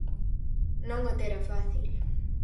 Non o terá fácil.